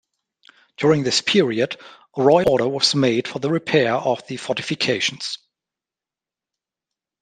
During this period a royal order was made for the repair of the fortifications.